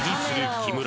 木村